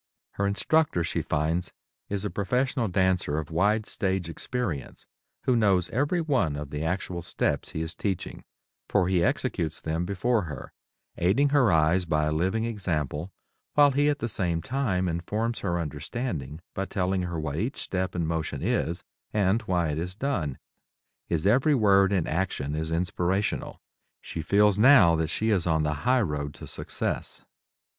Her instructor, she finds, is a professional dancer of wide stage experience, who knows every one of the actual steps he is teaching, for he executes them before her, aiding her eyes by a living example, while he at the same time informs her understanding by telling her what each step and motion is and why it is done. His every word and action is inspirational. She feels now that she is on the highroad to success.